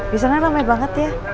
di sana rame banget ya